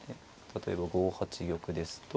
例えば５八玉ですと。